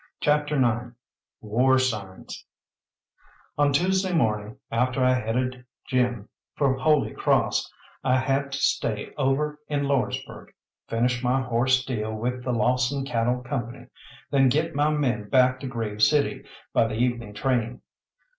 CHAPTER IX WAR SIGNS On Tuesday morning, after I headed Jim for Holy Cross, I had to stay over in Lordsburgh, finish my horse deal with the Lawson Cattle Company, then get my men back to Grave City by the evening train.